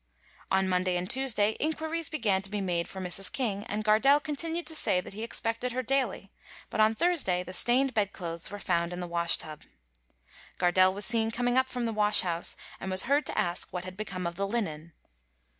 On Monday and Tuesday inquiries began to be made for Mrs. King, and Gardelle continued to say that he expected her daily, but on Thursday the stained bedclothes were found in the wash tub. Gardelle was seen coming from the wash house, and was heard to ask what had become of the linen.